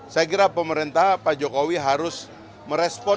saya kira pemerintah pak jokowi harus merespon